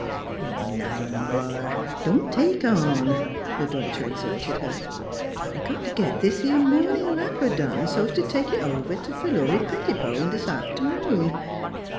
" Now, Ma, don't take on! " her daughter ex horted her. " I got t' git this 'ere mornin' wrap per done, so's t' take it over t' Philury Pettibone this aft'noon.